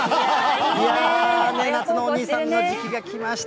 いやね、夏のお兄さんの時期が来ました。